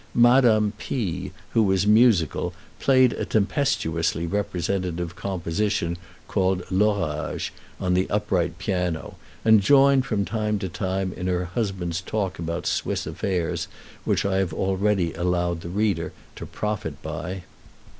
Madame P , who was musical, played a tempestuously representative composition called "L'Orage" on the upright piano, and joined from time to time in her husband's talk about Swiss affairs, which I have already allowed the reader to profit by.